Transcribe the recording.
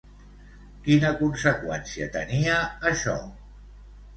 Quina conseqüència tenia això?